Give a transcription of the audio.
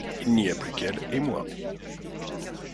Il n’y a plus qu’elle et moi.